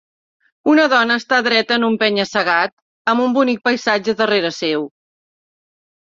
Una dona està dreta en un penya-segat amb un bonic paisatge darrere seu.